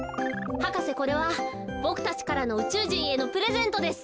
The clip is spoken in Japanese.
博士これはボクたちからのうちゅうじんへのプレゼントです。